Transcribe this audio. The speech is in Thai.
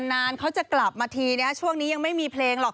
นานเขาจะกลับมาทีช่วงนี้ยังไม่มีเพลงหรอก